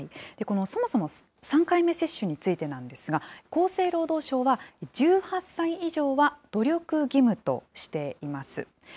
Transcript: この、そもそも３回目接種についてなんですが、厚生労働省は、１８歳以上は努力義務としています。